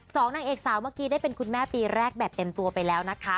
นางเอกสาวเมื่อกี้ได้เป็นคุณแม่ปีแรกแบบเต็มตัวไปแล้วนะคะ